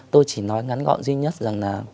tôi chỉ nói ngắn gọn duy nhất rằng là